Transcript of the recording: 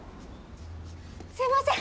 すみません！